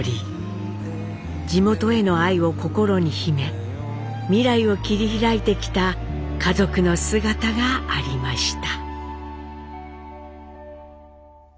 地元への愛を心に秘め未来を切り開いてきた家族の姿がありました。